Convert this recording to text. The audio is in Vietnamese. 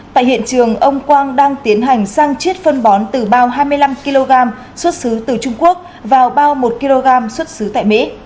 tại hiện trường ông quang đang tiến hành sang chiết phân bón từ bao hai mươi năm kg xuất xứ từ trung quốc vào bao một kg xuất xứ tại mỹ